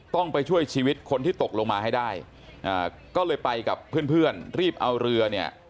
ต้องไปช่วยชีวิตคนที่ตกลงมาให้ได้ก็เลยไปกับเพื่อนเพื่อนรีบเอาเรือเนี่ย